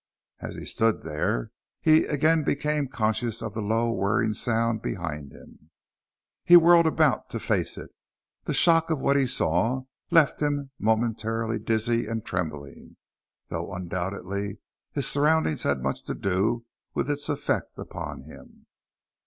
As he stood there he again became conscious of the low, whirring sound, behind him. He whirled around to face it. The shock of what he saw left him momentarily dizzy and trembling though undoubtedly his surroundings had much to do with its effect upon him.